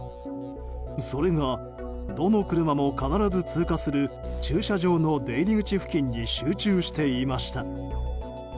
それがどの車も必ず通過する駐車場の出入り口付近に集中していました。